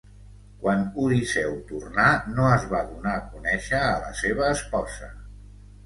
Quan Odisseu tornà, no es va donar a conèixer a la seva esposa.